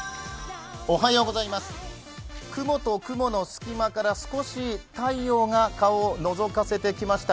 雲と雲の隙間から少し太陽が顔をのぞかせてきました。